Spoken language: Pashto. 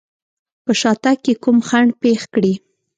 په شاتګ کې کوم خنډ پېښ کړي.